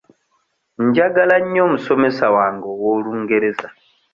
Njagala nnyo omusomesa wange ow'Olungereza.